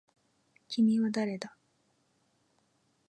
君は誰だ